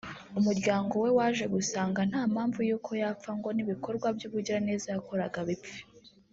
umuryango we waje gusanga nta mpamvu y’uko yapfa ngo n’ibikorwa by’ubugiraneza yakoraga bipfe